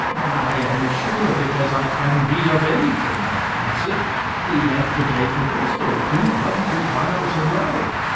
"I am as sure of it as I can be of anything," I answered. "He left to day for Bristol, two hundred miles away."